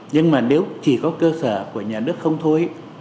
nhưng mà nếu chỉ có cơ sở của nhà nước không thôi